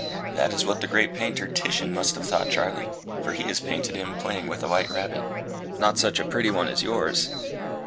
"That is what the great painter Titian must have thought, Charlie; for he has painted him playing with a white rabbit, not such a pretty one as yours."